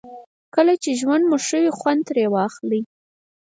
کله چې ژوند مو ښه وي خوند ترې واخلئ.